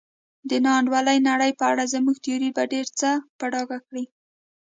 د نا انډولې نړۍ په اړه زموږ تیوري به ډېر څه په ډاګه کړي.